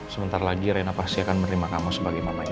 sebentar lagi rena pasti akan menerima kamu sebagai mamanya